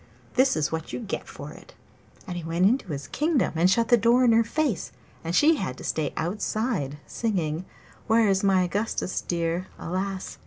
This is what you get for it!' And he went into his kingdom and shut the door in her face, and she had to stay outside singing 'Where's my Augustus dear? Alas!